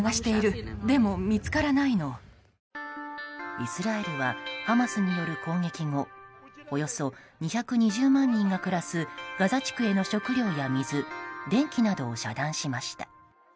イスラエルはハマスによる攻撃後およそ２２０万人が暮らすガザ地区への食料や水、電気などを遮断しました。